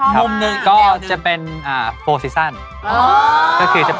มาจากแฟนทุกคน